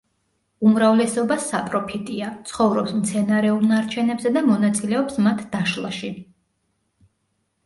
უმრავლესობა საპროფიტია, ცხოვრობს მცენარეულ ნარჩენებზე და მონაწილეობს მათ დაშლაში.